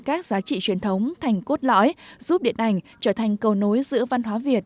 các giá trị truyền thống thành cốt lõi giúp điện ảnh trở thành cầu nối giữa văn hóa việt